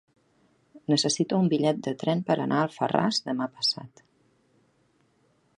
Necessito un bitllet de tren per anar a Alfarràs demà passat.